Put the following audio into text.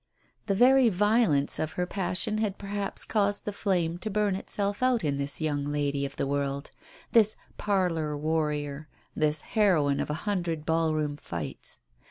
The very violence of her passion had perhaps caused the flame to burn itself out in this young lady of the world, this parlour warrior, this heroine of a hundred ball room fights.